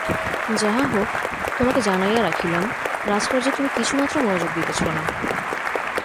যাহা হউক তোমাকে জানাইয়া রাখিলাম, রাজকার্যে তুমি কিছুমাত্র মনোযোগ দিতেছ না।